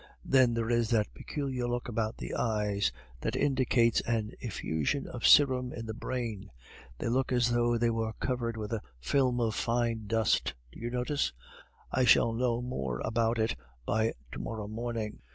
Then there is that peculiar look about the eyes that indicates an effusion of serum in the brain; they look as though they were covered with a film of fine dust, do you notice? I shall know more about it by to morrow morning."